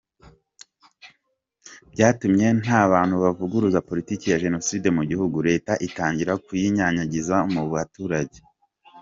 Byatumye nta bantu bavuguruza politiki ya Jenoside mu gihugu, leta itangira kuyinyanyagiza mu baturage.